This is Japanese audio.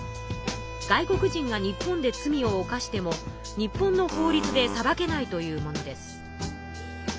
外国人が日本で罪を犯しても日本の法りつで裁けないというものです。